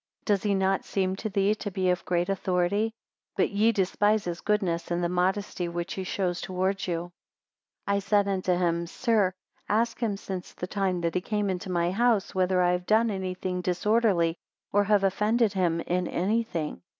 Does he not seem to thee to be of great authority? 7 But ye despise his goodness, and the modesty which he shows towards you. 8 I said unto him; Sir, ask him since the time that he came into my house whether I have done any thing disorderly, or have offended him in any thing?